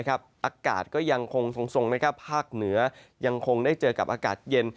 อากาศก็ยังคงทรงภาคเหนือยังคงได้เจอกับอากาศเย็น